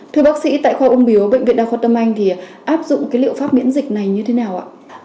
thưa bác sĩ tại khoa ung biếu bệnh viện đào khuất tâm anh thì áp dụng liệu pháp miễn dịch này như thế nào ạ